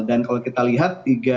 dan kalau kita lihat tiga isu